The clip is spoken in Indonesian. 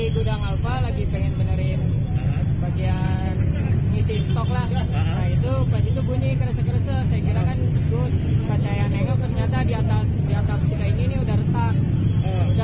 saya kira kan setelah saya nengok ternyata di atas di atas kaya ini ini udah retak